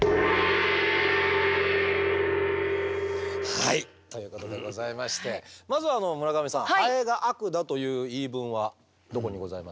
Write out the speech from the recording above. はいということでございましてまずは村上さんハエが悪だという言い分はどこにございますでしょう？